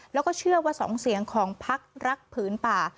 แล้วก็เชื่อว่า๒เสียงของพักรักผืนป่า